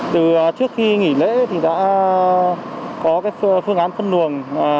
từ trước khi nghỉ lễ thì đã có phương án phân luồng